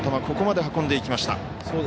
ここまで運んでいきました。